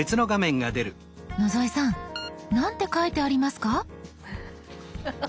野添さんなんて書いてありますか？